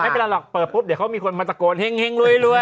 ตรูสตราดตรู